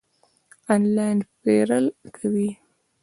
آنلاین پیرل کوئ؟